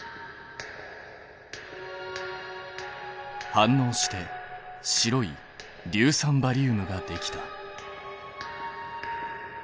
反応して白い硫酸バリウムができた。